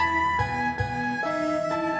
berarti kamu lagi nungguin saya